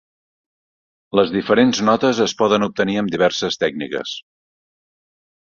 Les diferents notes es poden obtenir amb diverses tècniques.